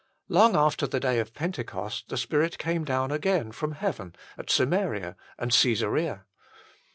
Long after the day of Pentecost the Spirit came down again from heaven at Samaria and Csesarea.